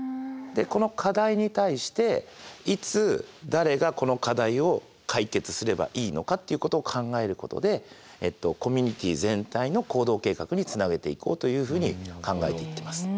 この課題に対していつ誰がこの課題を解決すればいいのかっていうことを考えることでコミュニティー全体の行動計画につなげていこうというふうに考えていっています。